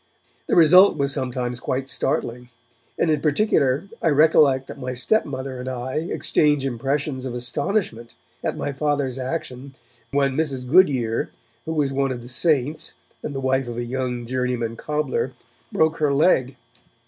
The result was sometimes quite startling, and in particular I recollect that my stepmother and I exchanged impressions of astonishment at my Father's action when Mrs. Goodyer, who was one of the 'Saints' and the wife of a young journeyman cobbler, broke her leg.